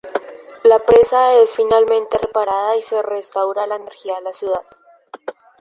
La presa es finalmente reparada, y se restaura la energía de la ciudad.